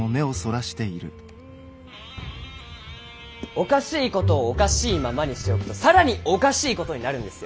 おかしい事をおかしいままにしておくと更におかしい事になるんですよ。